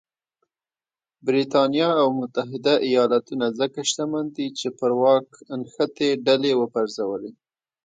برېټانیا او متحده ایالتونه ځکه شتمن دي چې پر واک نښتې ډلې وپرځولې.